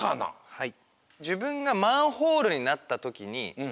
はい。